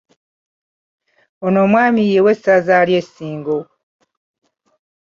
Ono omwami ye w’essaza ly’Essingo.